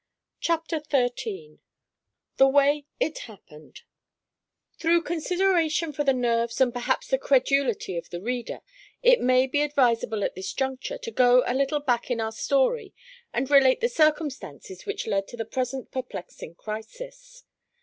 CHAPTER XIII—THE WAY IT HAPPENED Through consideration for the nerves and perhaps the credulity of the reader, it may be advisable at this juncture to go a little back in our story and relate the circumstances which led to the present perplexing crisis.